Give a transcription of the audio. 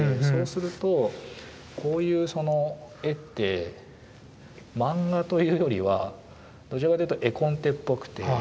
そうするとこういうその絵って漫画というよりはどちらかというと絵コンテっぽくて。